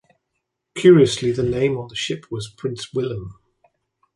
Curiously, the name on the ship was "Prins Willim".